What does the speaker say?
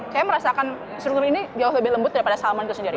saya merasakan struktur ini jauh lebih lembut daripada salman itu sendiri